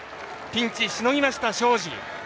ピンチ、しのぎました庄司。